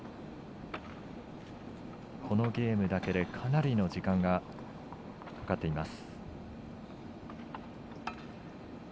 このゲームだけでかなりの時間がかかっています。